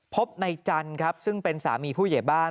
พบในจันทร์ครับซึ่งเป็นสามีผู้ใหญ่บ้าน